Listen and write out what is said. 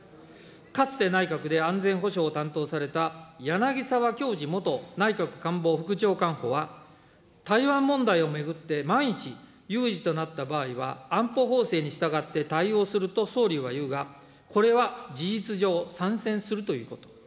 かつて内閣で安全保障を担当された柳澤協二元内閣官房副長官補は、台湾問題を巡って万一、有事となった場合は、安保法制に従って対応すると総理は言うが、これは事実上、参戦するということ。